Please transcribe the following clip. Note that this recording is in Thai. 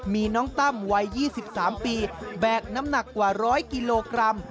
มีน้องตั้มวัย๒๓ปีแบกน้ำหนักกว่า๑๐๐กิโลกรัม